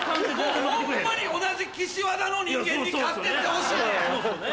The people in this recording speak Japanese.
ホンマに同じ岸和田の人間に買ってってほしい！